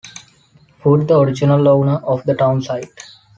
Foot, the original owner of the town site.